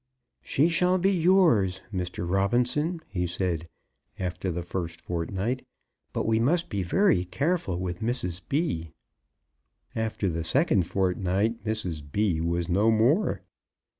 "She shall be yours, Mr. Robinson," he said, after the first fortnight. "But we must be very careful with Mrs. B." After the second fortnight Mrs. B. was no more!